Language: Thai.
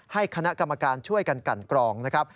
ให้คณะกรรมการช่วยกันกันกรองนะครับ